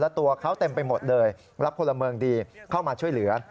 ตัวเขาเต็มไปหมดเลยรับพลเมืองดีเข้ามาช่วยเหลือ